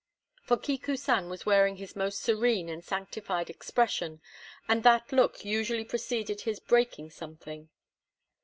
For Kiku san was wearing his most serene and sanctified expression, and that look usually preceded his breaking something.